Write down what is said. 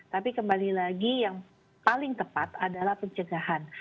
tapi kembali lagi yang paling tepat adalah pencegahan